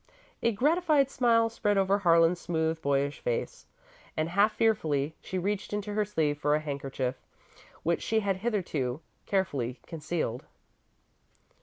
A gratified smile spread over Harlan's smooth, boyish face, and, half fearfully, she reached into her sleeve for a handkerchief which she had hitherto carefully concealed.